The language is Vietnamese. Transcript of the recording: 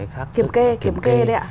kiểm kê kiểm kê đấy ạ